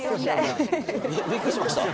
びっくりしました？